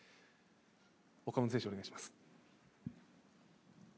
岡本選手、お願いします。